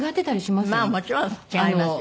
まあもちろん違いますよ。